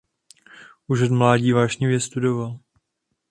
Už od mládí vášnivě studoval.